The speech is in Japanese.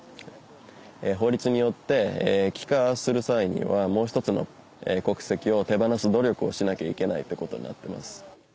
法律によって帰化する際にはもう一つの国籍を手放す努力をしなきゃいけないってことになってます。